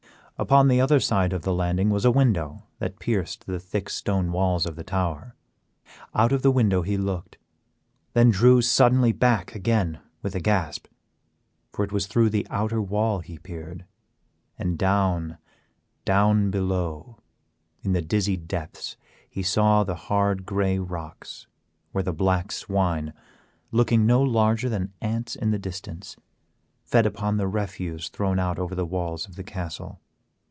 Upon the other side of the landing was a window that pierced the thick stone walls of the tower; out of the window he looked, and then drew suddenly back again with a gasp, for it was through the outer wall he peered, and down, down below in the dizzy depths he saw the hard gray rocks, where the black swine, looking no larger than ants in the distance, fed upon the refuse thrown out over the walls of the castle.